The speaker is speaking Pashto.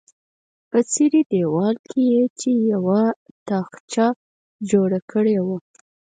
په څیرې دیوال کې یې چې یوه تاخچه جوړه کړې وه.